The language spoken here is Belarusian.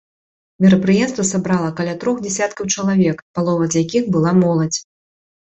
Мерапрыемства сабрала каля трох дзясяткаў чалавек, палова з якіх была моладзь.